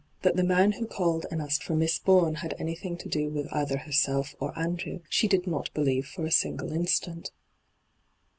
That' the man who called and asked for ' Miss Bourne ' had anything to do with either herself or Andrew she did not believe for a single instant.